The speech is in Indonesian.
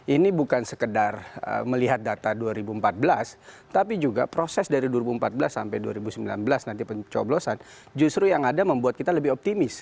ini bukan sekedar melihat data dua ribu empat belas tapi juga proses dari dua ribu empat belas sampai dua ribu sembilan belas nanti pencoblosan justru yang ada membuat kita lebih optimis